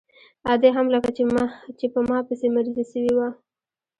ادې هم لکه چې په ما پسې مريضه سوې وه.